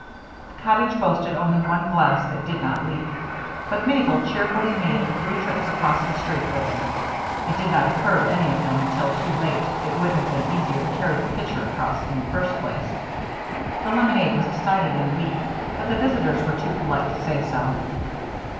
The cottage boasted only one glass that did not leak, but Mabel cheerfully made three trips across the street with it it did not occur to any of them until too late it would have been easier to carry the pitcher across in the first place. The lemonade was decidedly weak, but the visitors were too polite to say so.